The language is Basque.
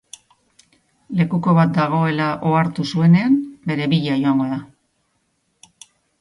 Lekuko bat dagoela ohartu zuenean, bere bila joango da.